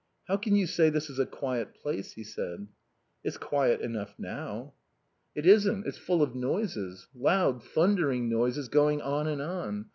"How can you say this is a quiet place?" he said. "It's quiet enough now." "It isn't. It's full of noises. Loud, thundering noises going on and on.